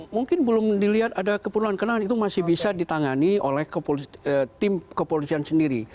mungkin belum dilihat ada keperluan kenangan itu masih bisa ditangani oleh tim kepolisian sendiri